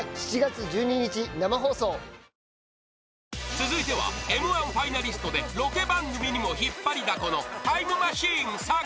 ［続いてはＭ−１ファイナリストでロケ番組にも引っ張りだこの］